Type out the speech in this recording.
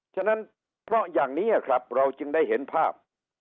ฉะนั้นเพราะอย่างนี้ครับเราจึงได้เห็นภาพ